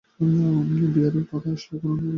বিয়ের কথা আসলে, বয়স কোন ব্যাপার না।